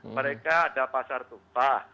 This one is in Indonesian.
mereka ada pasar tumpah